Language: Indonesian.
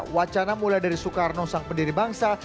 wacana mulai dari soekarno sang pendiri bangsa